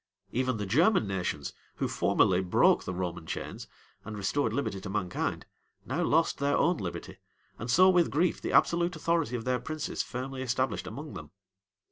Even the German nations, who formerly broke the Roman chains, and restored liberty to mankind, now lost their own liberty, and saw with grief the absolute authority of their princes firmly established among them.